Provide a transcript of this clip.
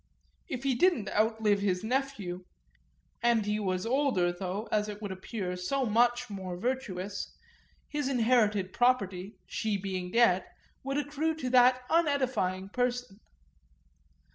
If he didn't outlive his nephew and he was older, though, as would appear, so much more virtuous his inherited property, she being dead, would accrue to that unedifying person.